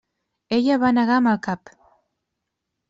Ella va negar amb el cap.